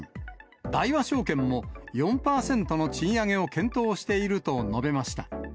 大和証券も４％の賃上げを検討していると述べました。